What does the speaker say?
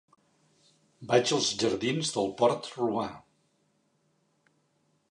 Vaig als jardins del Port Romà.